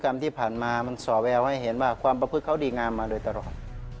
ขอแววให้เห็นว่าความประพฤติเขาดีงามมาโดยตลอด